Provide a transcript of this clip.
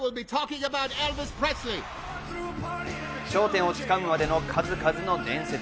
頂点を掴むまでの数々の伝説。